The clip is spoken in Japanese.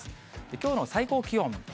きょうの最高気温。